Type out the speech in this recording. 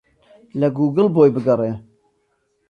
لە گووگڵ بۆی بگەڕێ.